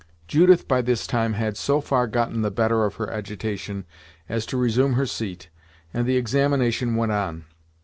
Judith, by this time, had so far gotten the better of her agitation as to resume her seat, and the examination went on.